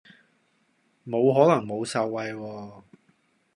冇可能冇受惠喎